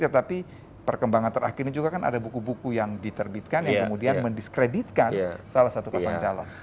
tetapi perkembangan terakhir ini juga kan ada buku buku yang diterbitkan yang kemudian mendiskreditkan salah satu pasang calon